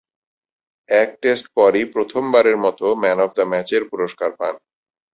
এক টেস্ট পরই প্রথমবারের মতো ম্যান অব দ্য ম্যাচের পুরস্কার পান।